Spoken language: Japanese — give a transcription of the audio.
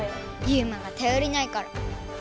ユウマがたよりないから。